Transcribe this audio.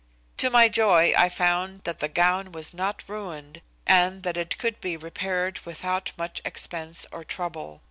To my joy I found that the gown was not ruined, and that it could be repaired without much expense or trouble.